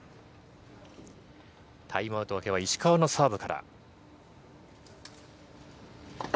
タイムアウト明けは石川のサーブから。